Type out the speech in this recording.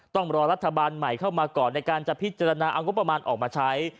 ต้องรอรัฐบาลใหม่เข้ามาก่อนในการจะพิจารณาเอางบประมาณออกมาใช้